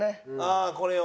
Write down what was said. ああこれを？